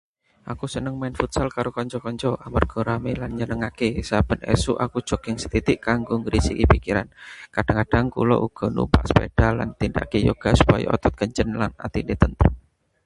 Aku seneng main futsal karo kanca-kanca, amarga rame lan nyenengake. Saben esuk aku jogging sethithik kanggo ngresiki pikiran. Kadhang-kadhang kula uga numpak sepeda lan nindakake yoga supaya otot kenceng lan atine tentrem.